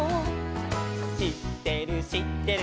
「しってるしってる」